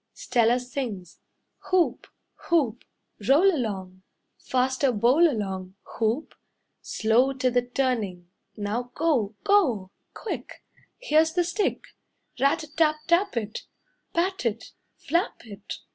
Stella sings: "Hoop, hoop, Roll along, Faster bowl along, Hoop. Slow, to the turning, Now go! Go! Quick! Here's the stick. Rat a tap tap it, Pat it, flap it.